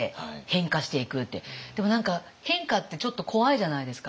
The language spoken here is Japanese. でも何か変化ってちょっと怖いじゃないですか。